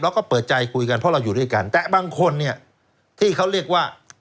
เปิดใจคุยกันเพราะเราอยู่ด้วยกันแต่บางคนเนี่ยที่เขาเรียกว่า